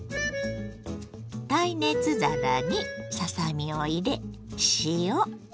耐熱皿にささ身を入れ塩